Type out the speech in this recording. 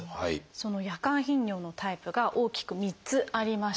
その夜間頻尿のタイプが大きく３つありまして